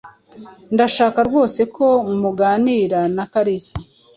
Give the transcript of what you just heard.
Ndashaka rwose ko muganira na Kalisa.